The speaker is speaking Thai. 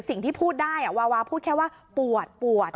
สิ่งที่พูดได้วาวาพูดแค่ว่าปวดปวด